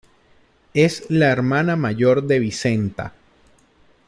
Es la hermana mayor de Vicenta.